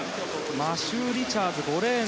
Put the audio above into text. マシュー・リチャーズ、５レーン